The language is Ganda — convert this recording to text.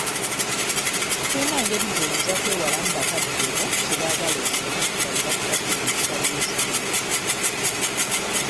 Toyina ngeri gy'oyinza kwewalamu bakadde bo kye baagala osome nga be bakusasulira ebisale ky'essomero.